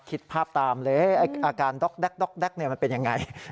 คิดภาพตามเลยอาการด๊อกแก๊กมันเป็นยังไง